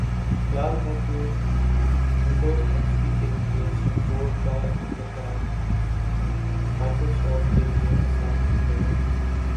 خیال ہے کہ ونڈوز ایکس پی کے لئے سپورٹ کااختتام مائیکروسافٹ کے لئے آسان نہیں ہوگا